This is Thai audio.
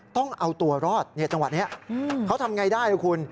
ต้องเอาตัวรอดในจังหวัดนี้เขาทำอย่างไรได้